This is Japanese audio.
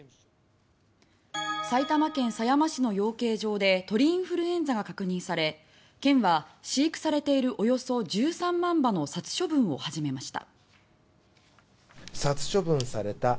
埼玉県狭山市の養鶏場で鳥インフルエンザが確認され県は飼育されているおよそ１３万羽の殺処分を始めました。